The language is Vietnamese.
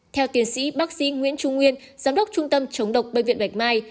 theo tiến sĩ bác sĩ nguyễn trung nguyên giám đốc trung tâm chống độc bệnh viện bạch mai